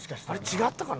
違ったかな。